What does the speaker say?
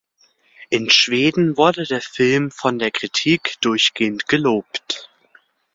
In Schweden wurde der Film von der Kritik durchgehend gelobt.